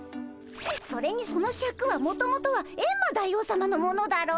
それにそのシャクはもともとはエンマ大王さまのものだろ？